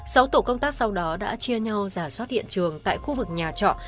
sáu tổ công tác sau đó đã chia nhau giả soát hiện trường tại khu vực nhà trọ